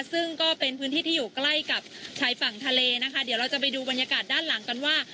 ซึ่งก็เป็นพื้นที่ที่อยู่ใกล้กับชายฝั่งทะเลนะคะเดี๋ยวเราจะไปดูบรรยากาศด้านหลังกันว่า